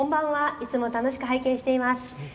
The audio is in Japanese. いつも楽しく拝見しています。